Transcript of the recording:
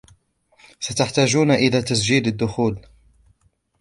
ستحتاجون الى تسجيل الدخول